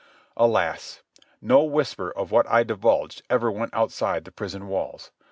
Alas! no whisper of what I divulged ever went outside the prison walls.